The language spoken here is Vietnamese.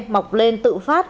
mọc lên tự phát